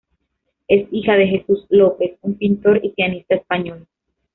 Es hija de Jesús López, un pintor y pianista español.